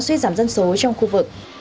suy giảm dân số trong khu vực